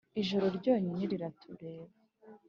ijoro ryonyine riratureba -